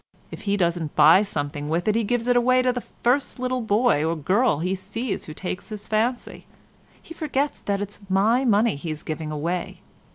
If he doesn't buy something with it he gives it away to the first little boy or girl he sees who takes his fancy. He forgets that it's my money he is giving away.